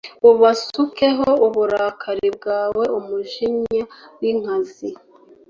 ubasukeho uburakari bwawe umujinya w inkazi